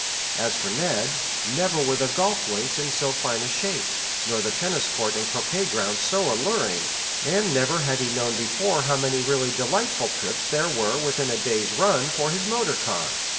As for Ned never were the golf links in so fine a shape, nor the tennis court and croquet ground so alluring; and never had he known before how many really delightful trips there were within a day's run for his motor car.